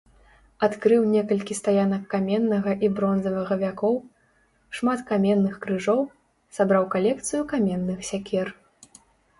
Адкрыў некалькі стаянак каменнага і бронзавага вякоў, шмат каменных крыжоў, сабраў калекцыю каменных сякер.